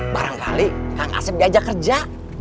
barangkali kang asep diajak kerja